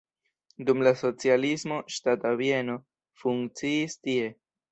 Dum la socialismo ŝtata bieno funkciis tie.